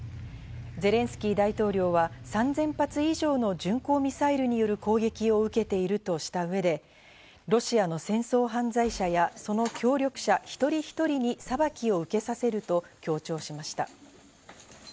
ゼレンスキー大統領は３０００発以上の巡航ミサイルによる攻撃を受けているとした上で、ロシアの戦争犯罪者やその協力者一人一人に裁きを受けさせると強調しました。